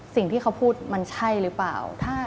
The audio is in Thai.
สิ่งที่เขาพูดมันใช่หรือเปล่า